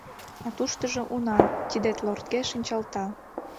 А туштыжо, уна, тидет лортке шинчалта.